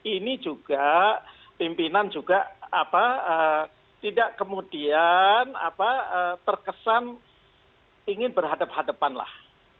ini juga pimpinan juga tidak kemudian terkesan ingin berhadapan hadapan lah